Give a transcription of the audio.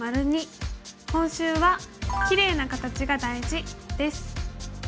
今週は「キレイな形が大事」です。